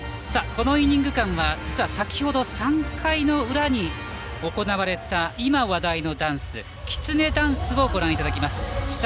このイニング間実は先ほど３回裏に行われた今、話題のダンス、きつねダンスご覧いただきます。